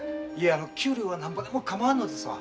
あの給料はなんぼでも構わんのですわ。